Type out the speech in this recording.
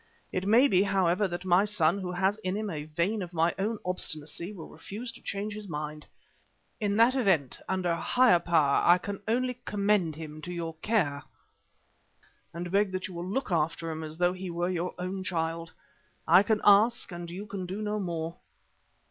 It may be, however, that my son, who has in him a vein of my own obstinacy, will refuse to change his mind. In that event, under a Higher Power I can only commend him to your care and beg that you will look after him as though he were your own child. I can ask and you can do no more.